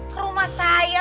ke rumah saya